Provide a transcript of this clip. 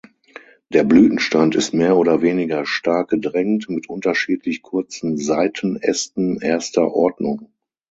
Der Blütenstand ist mehr oder weniger stark gedrängt, mit unterschiedlich kurzen Seitenästen erster Ordnung.